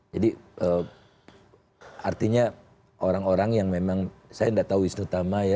jadi artinya orang orang yang memang saya tidak tahu isnu tama ya